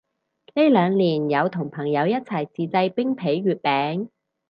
呢兩年有同朋友一齊自製冰皮月餅